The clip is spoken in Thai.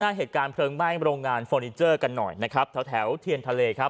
เหตุการณ์เพลิงไหม้โรงงานเฟอร์นิเจอร์กันหน่อยนะครับแถวแถวเทียนทะเลครับ